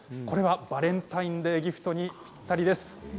これはバレンタインデーギフトにぴったりです。